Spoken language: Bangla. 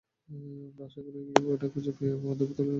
আর আশা করি কেউ ওটা খুঁজে পেয়ে, মদের বোতল খুলে অসাধারণ সময় কাটাচ্ছে।